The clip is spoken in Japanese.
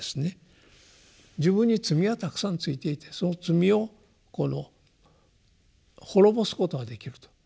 自分に罪がたくさんついていてその罪をこの滅ぼすことができると。